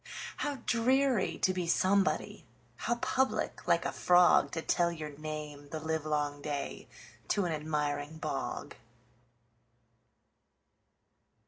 How dreary to be somebody! How public, like a frogTo tell your name the livelong dayTo an admiring bog!